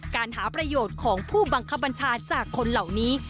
การหาประโยชน์ของผู้บังคับบัญชาจากคนเหล่านี้